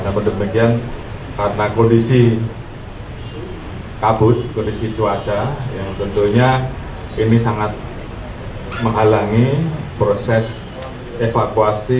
dan berdekat karena kondisi kabut kondisi cuaca yang tentunya ini sangat menghalangi proses evakuasi